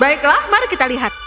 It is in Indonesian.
baiklah mari kita lihat